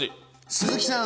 鈴木さん。